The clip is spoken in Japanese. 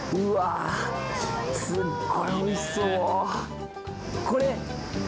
すごいおいしそう！